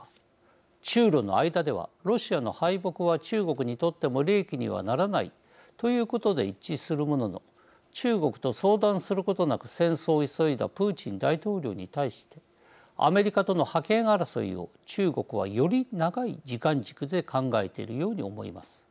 中ロの間ではロシアの敗北は中国にとっても利益にはならないということで一致するものの中国と相談することなく戦争を急いだプーチン大統領に対してアメリカとの覇権争いを中国はより長い時間軸で考えているように思います。